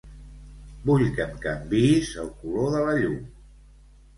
Vull que em canviïs el color de la llum.